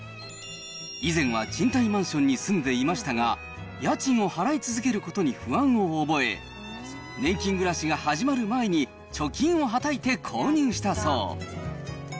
以前は賃貸マンションに住んでいましたが、家賃を払い続けることに不安を覚え、年金暮らしが始まる前に貯金をはたいて購入したそう。